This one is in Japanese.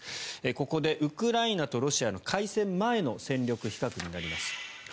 ここでウクライナとロシアの開戦前の戦力比較になります。